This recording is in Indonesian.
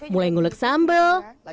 mulai ngulek sambel